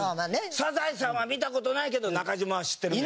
『サザエさん』は見た事ないけど中島は知ってるとか。